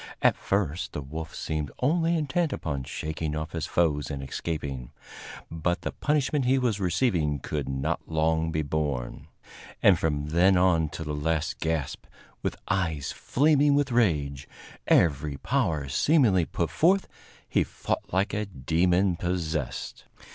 At first the wolf seemed only intent upon shaking off his foes and escaping, but the punishment he was receiving could not long be borne; and from then on to the last gasp, with eyes flaming with rage, every power seemingly put forth, he fought like a demon possessed.